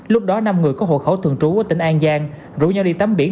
lúc đó năm người có hộ khẩu thường trú ở tỉnh an giang rủ nhau đi tắm biển